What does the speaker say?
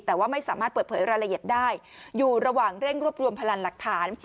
แต่ว่าไม่สามารถเปิดเผยรายละเอียดได้อยู่ระหว่างเร่งรวบรวมพลังหลักฐาน